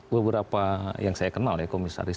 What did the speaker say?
beberapa yang saya kenal ya komisaris